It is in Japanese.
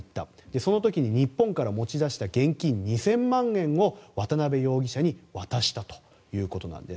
その時に日本から持ち出した現金２０００万円を渡邉容疑者に渡したということなんです。